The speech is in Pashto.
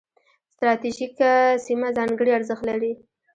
ستراتیژیکه سیمه ځانګړي ارزښت لري.